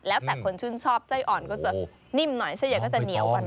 แล้วแต่คนชื่นชอบไส้อ่อนก็จะนิ่มหน่อยไส้ใหญ่ก็จะเหนียวกว่าหน่อย